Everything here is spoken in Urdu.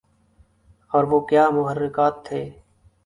اور وہ کیا محرکات تھے